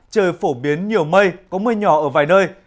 trời phổ biến nhiều mây có mưa nhỏ ở vài nơi